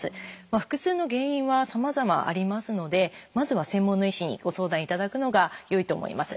腹痛の原因はさまざまありますのでまずは専門の医師にご相談いただくのがよいと思います。